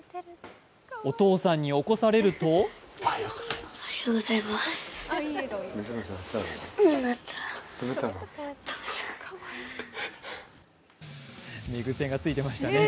お父さんに起こされると寝癖がついていましたね。